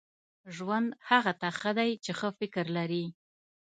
• ژوند هغه ته ښه دی چې ښه فکر لري.